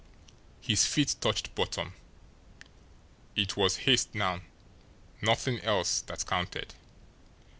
His feet touched bottom. It was haste now, nothing else, that counted.